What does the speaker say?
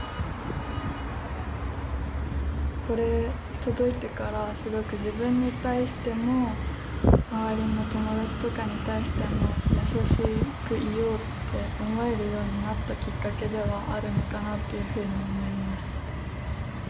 これ届いてからすごく自分に対しても周りの友達とかに対しても優しくいようって思えるようになったきっかけではあるのかなっていうふうに思います。